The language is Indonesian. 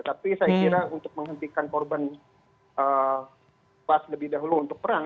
tapi saya kira untuk menghentikan korban pas lebih dahulu untuk perang